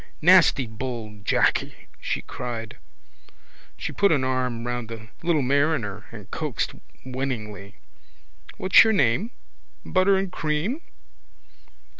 —Nasty bold Jacky! she cried. She put an arm round the little mariner and coaxed winningly: —What's your name? Butter and cream?